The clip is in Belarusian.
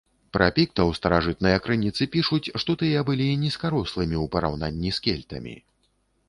Пра піктаў старажытныя крыніцы пішуць, што тыя былі нізкарослымі ў параўнанні з кельтамі.